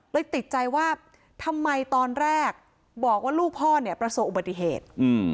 ติดใจว่าทำไมตอนแรกบอกว่าลูกพ่อเนี่ยประสบอุบัติเหตุ